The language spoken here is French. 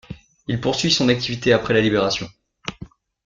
Il poursuit son activité après la Libération.